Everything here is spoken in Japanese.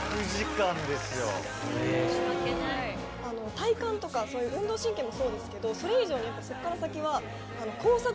体幹とか運動神経もそうですけどそれ以上にそこから先は。